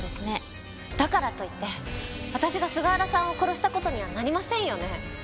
だからといって私が菅原さんを殺した事にはなりませんよね？